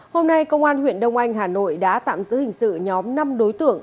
hôm nay công an huyện đông anh hà nội đã tạm giữ hình sự nhóm năm đối tượng